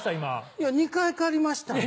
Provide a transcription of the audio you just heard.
いや２回借りましたんで。